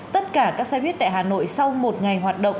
tất cả các xe buýt tại hà nội sau một ngày hoạt động